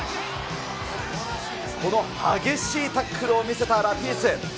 この激しいタックルを見せたラピース。